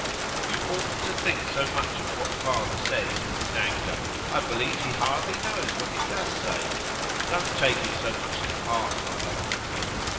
You oughtn't to think so much of what father says in his anger; I believe he hardly knows what he does say. Don't take it so much to heart, mother.